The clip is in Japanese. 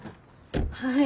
はい。